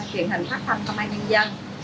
truyền hình phát thanh công an nhân dân